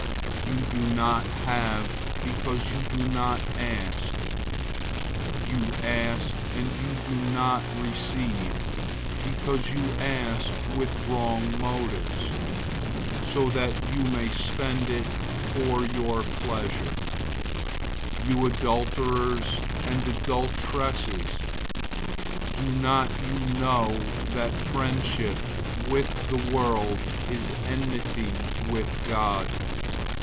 You don't have, because you don't ask. 004:003 You ask, and don't receive, because you ask with wrong motives, so that you may spend it for your pleasures. 004:004 You adulterers and adulteresses, don't you know that friendship with the world is enmity with God?